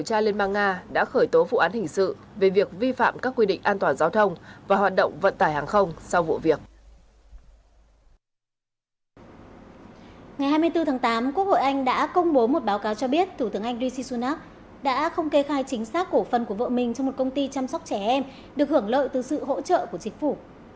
hai mươi bốn tháng tám quốc hội anh đã công bố một báo cáo cho biết thủ tướng anh d c sunak đã không kê khai chính xác cổ phần của vợ mình trong một công ty chăm sóc trẻ em được hưởng lợi từ sự hỗ trợ của chính phủ